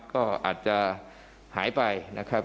ก็อาจจะหายไปนะครับ